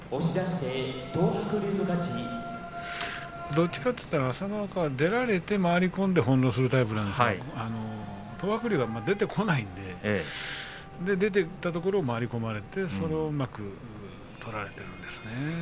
どちらかというと朝乃若は出られて回り込んで翻弄されるタイプなんですが東白龍は出てこないので出てきたところを回り込まれてそれをうまく取られているんですね。